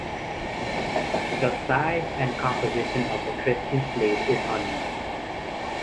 The size and composition of the Christian fleet is unknown.